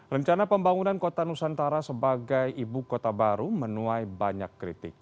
rencana pembangunan kota nusantara sebagai ibu kota baru menuai banyak kritik